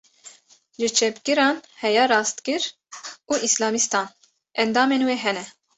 Ji çepgiran heya rastgir û Îslamîstan, endamên wê hene